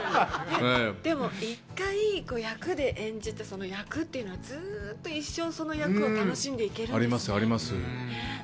でも１回役で演じて、焼くというのは、ずうっと一生、その役を楽しんでいけるんですね。あります、あります。